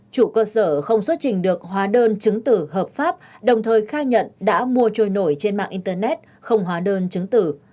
chủ cơ sở không xuất trình được hóa đơn chứng tử hợp pháp đồng thời khai nhận đã mua trôi nổi trên mạng internet không hóa đơn chứng tử